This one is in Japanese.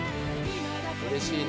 うれしいね。